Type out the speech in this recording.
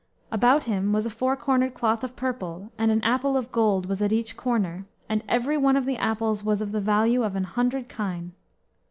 About him was a four cornered cloth of purple, and an apple of gold was at each corner, and every one of the apples was of the value of an hundred kine.